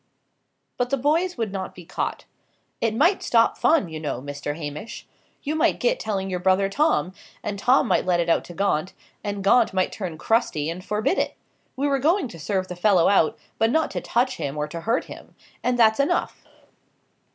But the boys would not be caught. "It might stop fun, you know, Mr. Hamish. You might get telling your brother Tom; and Tom might let it out to Gaunt; and Gaunt might turn crusty and forbid it. We were going to serve the fellow out; but not to touch him or to hurt him; and that's enough."